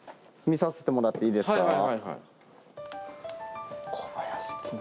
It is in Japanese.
見させてもらっていいですか？